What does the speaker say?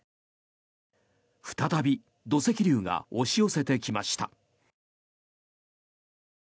再び、土石流が押し寄せてきました。